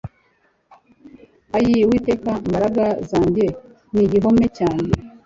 Ayii Uwiteka mbaraga zanjye n igihome cyanjye